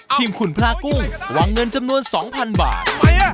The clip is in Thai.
ทีมคุณพระกุ้งวางเงินจำนวน๒๐๐๐บาท